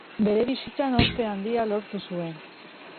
Bere bizitzan ospe handia lortu zuen.